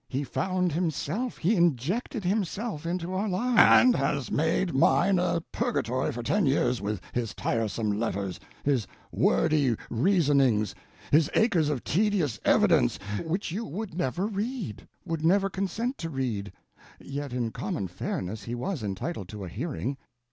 He found himself, he injected himself into our lives—" "And has made mine a purgatory for ten years with his tiresome letters, his wordy reasonings, his acres of tedious evidence,—" "Which you would never read, would never consent to read. Yet in common fairness he was entitled to a hearing.